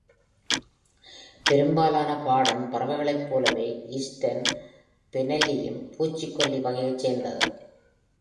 பெரும்பாலான பாடும் பறவைகளைப் போலவே, ஈஸ்டர்ன் பொனெல்லியும் பூச்சிக்கொல்லி வகையைச் சேர்ந்தது.